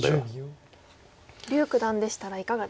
柳九段でしたらいかがですか？